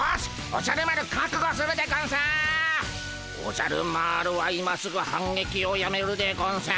おじゃる丸は今すぐ反撃をやめるでゴンス。